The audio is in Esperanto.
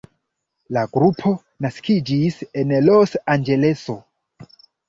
La grupo naskiĝis en Los Anĝeleso.